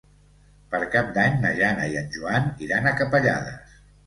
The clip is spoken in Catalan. Per Cap d'Any na Jana i en Joan iran a Capellades.